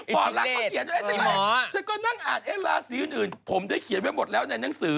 พอล่ะเขาเขียนไว้ฉันก็นั่งอ่านอ้ายลาสีอื่นผมได้เขียนไว้หมดแล้วในหนังสือ